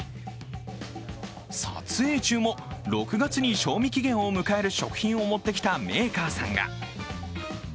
撮影中も、６月に賞味期限を迎える食品を持ってきたメーカーさんが。